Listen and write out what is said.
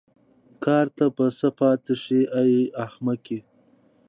کار ته به څه پاتې شي ای احمقې.